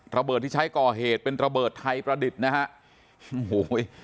ระเบิดที่ใช้ก่อเหตุเป็นระเบิดไทยประดิษฐ์นะฮะโอ้โห